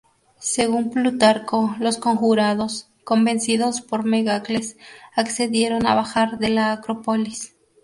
Según Plutarco los conjurados, convencidos por Megacles, accedieron a bajar de la Acrópolis.